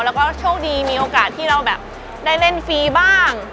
แล้วก็โชคดีมีโอกาสที่เราแบบได้เล่นฟรีบ้าง